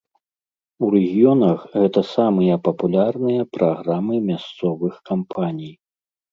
У рэгіёнах гэта самыя папулярныя праграмы мясцовых кампаній.